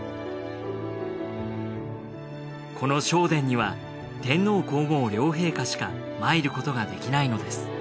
この正殿には天皇皇后両陛下しか参ることができないのです